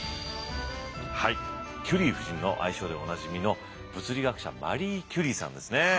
はいキュリー夫人の愛称でおなじみの物理学者マリー・キュリーさんですね。